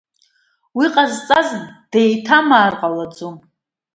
Уи ҟазҵаз деиҭамаар ҟалаӡом.